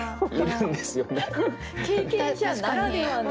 経験者ならではの。